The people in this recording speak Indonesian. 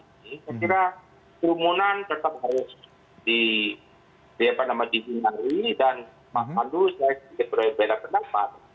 saya kira kerumunan tetap harus dihindari dan maka dulu saya berbeda pendapat